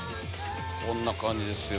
こんな感じですよ。